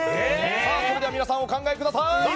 それでは皆さんお考えください。